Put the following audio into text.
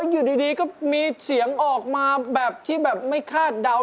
อยู่ดีก็มีเสียงออกมาแบบที่แบบไม่คาดเดา